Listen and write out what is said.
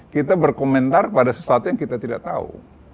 kita berkomentar pada sesuatu yang kita tidak tahu